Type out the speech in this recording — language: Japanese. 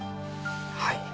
はい。